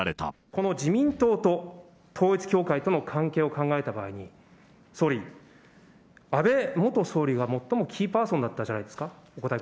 この自民党と統一教会との関係を考えた場合に、総理、安倍元総理が最もキーパーソンだったんじゃないですか？